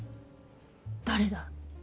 誰だ。